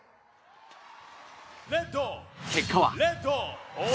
結果は。